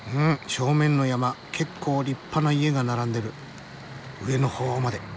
正面の山結構立派な家が並んでる上の方まで。